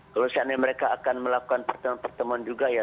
kalau seandainya mereka akan melakukan pertemuan pertemuan juga ya